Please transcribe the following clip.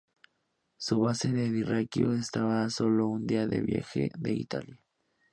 Su base de Dirraquio estaba a solo un día de viaje de Italia.